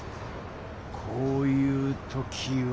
こういう時は。